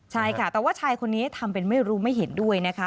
ใช่ค่ะแต่ว่าชายคนนี้ทำเป็นไม่รู้ไม่เห็นด้วยนะคะ